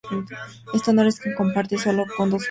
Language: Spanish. Este honor lo comparte solo con otros dos jugadores.